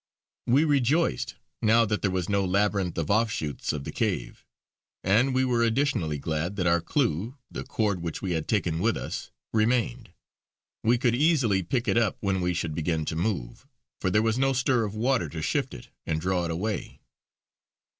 We rejoiced now that there was no labyrinth of offshoots of the cave; and we were additionally glad that our clue, the cord which we had taken with us, remained. We could easily pick it up when we should begin to move, for there was no stir of water to shift it and draw it away.